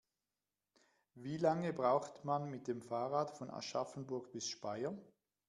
Wie lange braucht man mit dem Fahrrad von Aschaffenburg bis Speyer?